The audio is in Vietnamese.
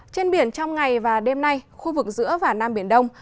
trên biển trong ngày và đêm nay khu vực giữa và nam biển đông